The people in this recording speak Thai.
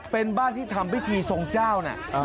เป็นบ้านที่ทำพิธีทรงเจ้านะ